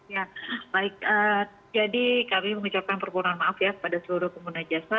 ya baik jadi kami mengucapkan permohonan maaf ya kepada seluruh pengguna jasa